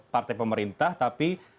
partai pemerintah tapi